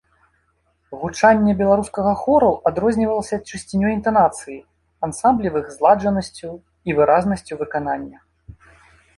Гучанне беларускага хору адрознівалася чысцінёй інтанацыі, ансамблевых зладжанасцю і выразнасцю выканання.